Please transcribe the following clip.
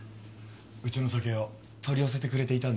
うちの酒を取り寄せてくれていたんですよ。